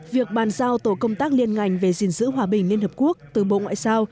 việc bàn giao tổ công tác liên ngành về gìn giữ hòa bình liên hợp quốc từ bộ ngoại giao